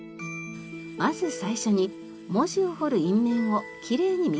まず最初に文字を彫る印面をきれいに磨きます。